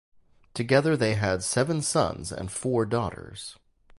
Together they had seven sons and four daughters.